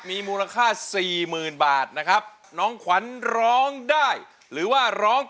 มีมูลค่าสี่หมื่นบาทนะครับน้องขวัญร้องได้หรือว่าร้อง